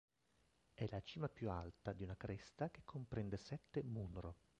È la cima più alta di una cresta che comprende sette munro.